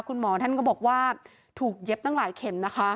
คุณหมอท่านก็บอกว่าถูกเย็บตั้งหลายเข็มนะคะ